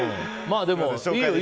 でも、いいよ。